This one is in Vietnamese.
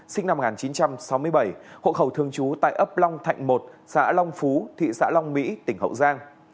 sinh năm một nghìn chín trăm sáu mươi bảy hộ khẩu thường trú tại ấp long thạnh một xã long phú thị xã long mỹ tỉnh hậu giang